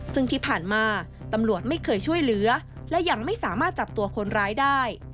ซึ่งที่ผ่านมาตำรวจไม่เคยช่วยเหลือและยังไม่สามารถจับตัวคนร้ายได้